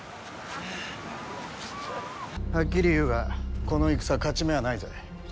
はっきり言うがこの戦、勝ち目はないぜ。